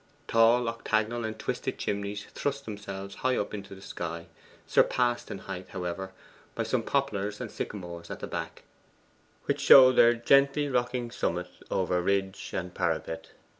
Tall octagonal and twisted chimneys thrust themselves high up into the sky, surpassed in height, however, by some poplars and sycamores at the back, which showed their gently rocking summits over ridge and parapet.